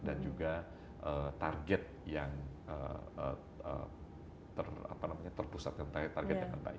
dengan perancangan yang baik dan juga target yang terpusatkan target dengan baik